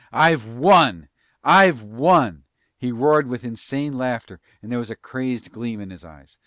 "I've won! I've won!" He roared with insane laughter and there was a crazed gleam in his eyes.